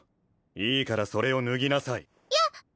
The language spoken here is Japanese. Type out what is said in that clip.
いいからそれを脱ぎなさいやっ！